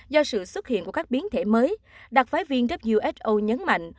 do sự xuất hiện của các biến thể mới đặc phái viên who nhấn mạnh